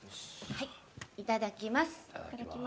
いただきます。